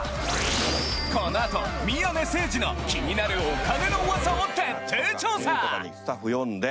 このあと宮根誠司の気になるお金の噂を徹底調査！